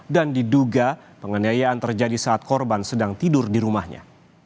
dan diduga penganiayaan terjadi saat korban sedang tidur di rumahnya